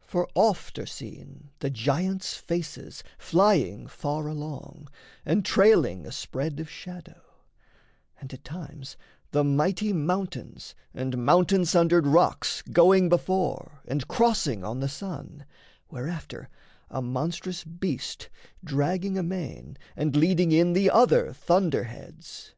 For oft are seen The giants' faces flying far along And trailing a spread of shadow; and at times The mighty mountains and mountain sundered rocks Going before and crossing on the sun, Whereafter a monstrous beast dragging amain And leading in the other thunderheads.